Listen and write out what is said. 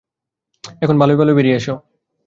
এখন ভালোই ভালোই বেরিয়ে এসো।